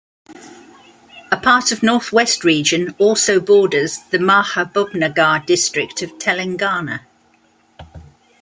A part of north west region also borders the Mahabubnagar district of Telangana.